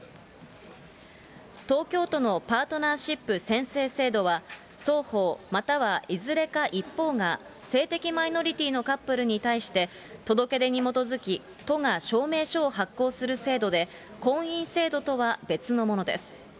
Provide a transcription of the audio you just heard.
東京都のパートナーシップ宣誓制度は、双方またはいずれか一方が性的マイノリティーのカップルに対して、届け出に基づき都が証明書を発行する制度で、婚姻制度とは別のものです。